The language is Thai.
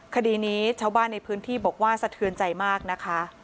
คดีนี้ชาวบ้านในพื้นที่บอกว่าสะเทือนใจมากนะคะ